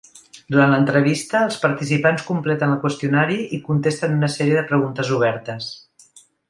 Durant l'entrevista, els participants completen el qüestionari i contesten una sèrie de preguntes obertes.